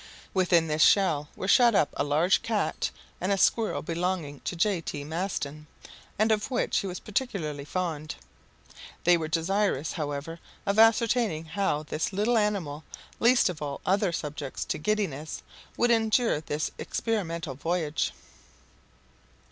Within this shell were shut up a large cat, and a squirrel belonging to J. T. Maston, and of which he was particularly fond. They were desirous, however, of ascertaining how this little animal, least of all others subject to giddiness, would endure this experimental voyage.